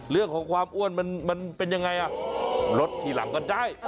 เรื่องของความอ้วนมันเป็นยังไงลดทีหลังก็ได้